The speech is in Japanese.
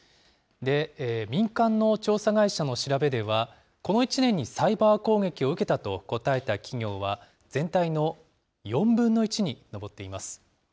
民間の調査会社の調べでは、この１年にサイバー攻撃を受けたと答えた企業は、全体の４分の１に上っています。